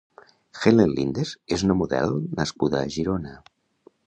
Helen Lindes és una model nascuda a Girona.